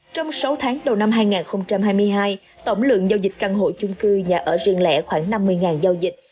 trong sáu tháng đầu năm hai nghìn hai mươi hai tổng lượng giao dịch căn hộ chung cư nhà ở riêng lẻ khoảng năm mươi giao dịch